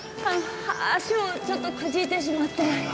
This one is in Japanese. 足をちょっとくじいてしまって。